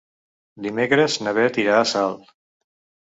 Dimecres na Beth irà a Salt.